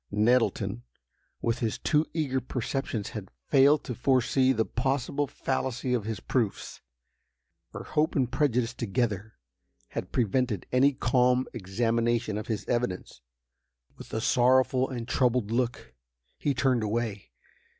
Nettleton, with his too eager perceptions, had failed to foresee the possible fallacy of his proofs, for hope and prejudice together had prevented any calm examination of his evidence. With a sorrowful and troubled look, he turned away.